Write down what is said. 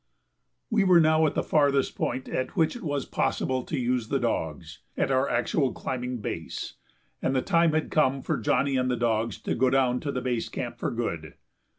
We were now at the farthest point at which it was possible to use the dogs, at our actual climbing base, and the time had come for Johnny and the dogs to go down to the base camp for good.